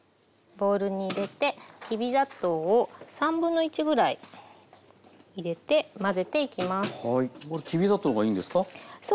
ボウルに入れてきび砂糖を1/3ぐらい入れて混ぜていきます。